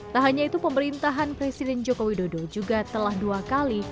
tak hanya itu pemerintahan presiden joko widodo juga telah dua kali